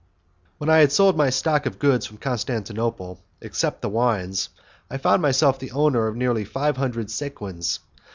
When I had sold my stock of goods from Constantinople (except the wines), I found myself the owner of nearly five hundred sequins.